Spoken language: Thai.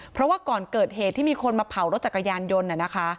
เพราะว่าก่อนเกิดเหตุที่มีคนมาเผารถจักรยานยนต์น่ะนะคะ